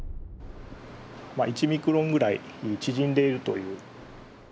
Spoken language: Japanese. １ミクロンぐらい縮んでいるという。